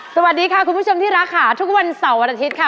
สวัสดีค่ะคุณผู้ชมที่รักค่ะทุกวันเสาร์วันอาทิตย์ค่ะ